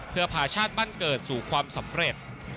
เพื่อพาชาติบ้านเกิดสู่ความสำเร็จ